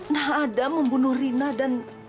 nak adam membunuh rina dan